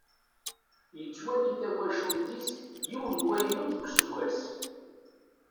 Yettwali tawacult-is yiwen n wayyur deg useggas.